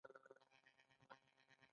• علم د ټولنې د پرمختګ اساس دی.